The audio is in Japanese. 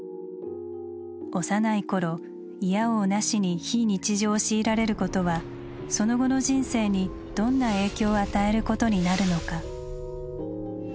幼い頃いやおうなしに非日常を強いられることはその後の人生にどんな影響を与えることになるのか。